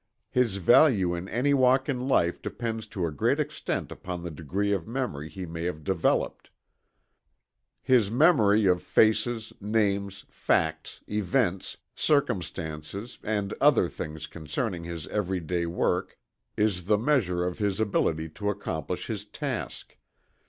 His value in any walk in life depends to a great extent upon the degree of memory he may have developed. His memory of faces, names, facts, events, circumstances and other things concerning his every day work is the measure of his ability to accomplish his task.